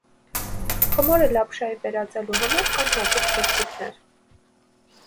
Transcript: Խմորը լապշայի վերածելու համար կան հատուկ գործիքներ։